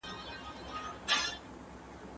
زه اوږده وخت سیر کوم؟